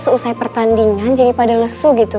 seusai pertandingan jadi pada lesu gitu